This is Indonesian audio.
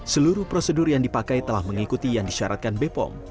seluruh prosedur yang dipakai telah mengikuti yang disyaratkan bepom